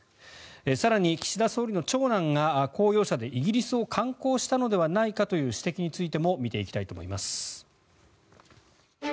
更に、岸田総理の長男が公用車でイギリスを観光したのではないかという指摘についても見ていきたいと思います。